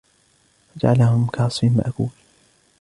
فَجَعَلَهُمْ كَعَصْفٍ مَأْكُولٍ